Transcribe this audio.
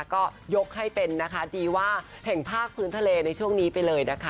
ก็ยกให้เป็นนะคะดีว่าแห่งภาคพื้นทะเลในช่วงนี้ไปเลยนะคะ